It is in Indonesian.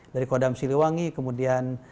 dari kodam siliwangi kemudian